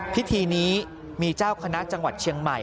พิธีนี้มีเจ้าคณะจังหวัดเชียงใหม่